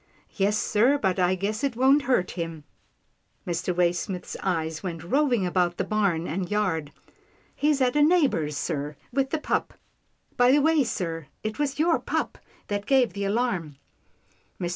" Yes sir, but I guess it won't hurt him." Mr. Waysmith's eyes went roving about the barn and yard. " He's at a neighbour's, sir, with the pup. By the way, sir, it was your pup that gave the alarm." Mr.